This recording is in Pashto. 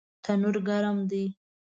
تنور ګرم دی